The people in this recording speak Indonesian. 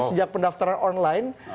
sejak pendaftaran online